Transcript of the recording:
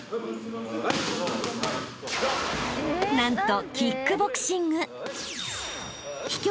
［何と］